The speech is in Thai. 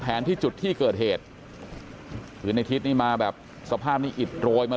ที่จุดที่เกิดเหตุคือในทิศนี่มาแบบสภาพนี้อิดโรยมา